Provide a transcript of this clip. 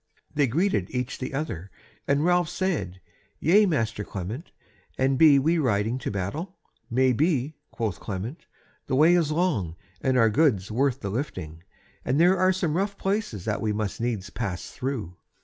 They greeted each the other, and Ralph said: "Yea, master Clement, and be we riding to battle?" "Maybe," quoth Clement; "the way is long, and our goods worth the lifting, and there are some rough places that we must needs pass through.